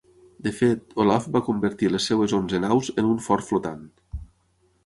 De fet, Olaf va convertir les seves onze naus en un fort flotant.